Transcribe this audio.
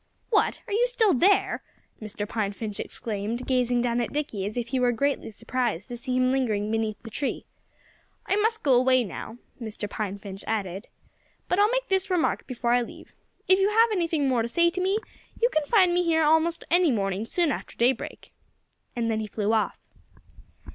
"What! Are you still there?" Mr. Pine Finch exclaimed, gazing down at Dickie as if he were greatly surprised to see him lingering beneath the tree. "I must go away now," Mr. Pine Finch added. "But I'll make this remark before I leave: If you have anything more to say to me, you can find me here almost any morning soon after daybreak." And then he flew off.